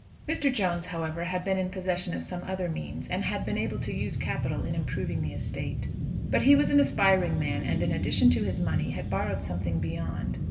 Mr. Jones, however, had been in possession of some other means, and had been able to use capital in improving the estate. But he was an aspiring man, and in addition to his money had borrowed something beyond.